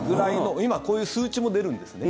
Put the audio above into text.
今、こういう数値も出るんですね。